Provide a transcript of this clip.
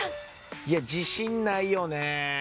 いや自信ないよね。